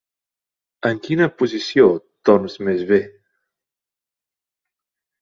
En quina posició dorms més bé?